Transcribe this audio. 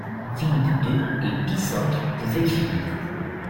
Philippe deux et Pie cinq pouvaient crier.